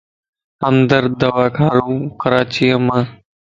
ھمدرد دواخانو ڪراچيم